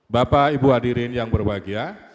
bapak ibu hadirin yang berbahagia